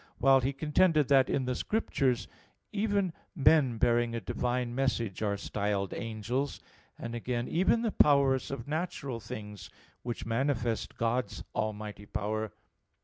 xi, text 43); while he contended that in the Scriptures even men bearing a divine message are styled angels; and again, even the powers of natural things, which manifest God's almighty power.